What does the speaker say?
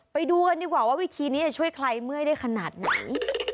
ไปดูกันดีกว่าว่าวิธีนี้จะช่วยใครเมื่อยได้ขนาดไหน